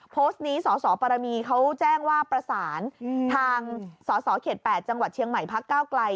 โพสต์นี้สสปรมีเขาแจ้งว่าประสานทางสสเขต๘จังหวัดเชียงใหม่พักก้าวไกล